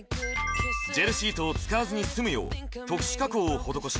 ジェルシートを使わずに済むよう特殊加工を施した繊維を開発し